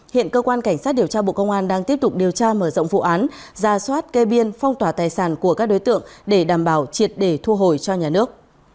hiện cơ quan cảnh sát điều tra bộ công an đang tiếp tục điều tra mở rộng vụ án ra soát kê biên phong tỏa tài sản của các đối tượng để đảm bảo triệt để thu hồi cho nhà nước